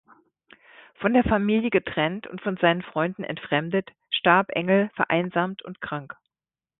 Von der Familie getrennt und von seinen Freunden entfremdet starb Engel vereinsamt und krank.